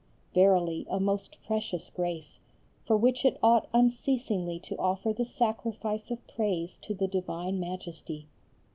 verily, a most precious grace, for which it ought unceasingly to offer the sacrifice of praise to the divine Majesty.